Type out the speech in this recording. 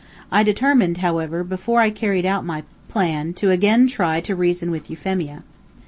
I determined, however, before I carried out my plan, to again try to reason with Euphemia.